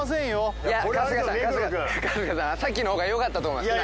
さっきの方がよかったと思います